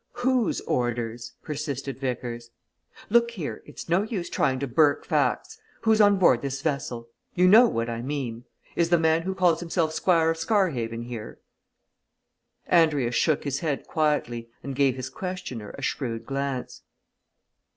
"Whose orders?" persisted Vickers. "Look here it's no use trying to burke facts. Who's on board this vessel? You know what I mean. Is the man who calls himself Squire of Scarhaven here?" Andrius shook his head quietly and gave his questioner a shrewd glance.